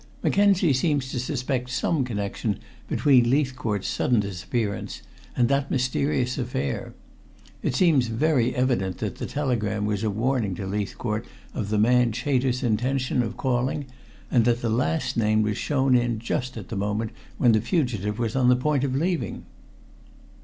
"Mackenzie seems to suspect some connection between Leithcourt's sudden disappearance and that mysterious affair. It seems very evident that the telegram was a warning to Leithcourt of the man Chater's intention of calling, and that the last named was shown in just at the moment when the fugitive was on the point of leaving."